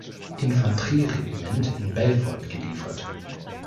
Infanterieregiment in Belfort geliefert.